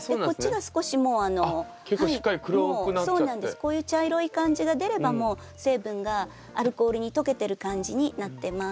こういう茶色い感じが出ればもう成分がアルコールに溶けてる感じになってます。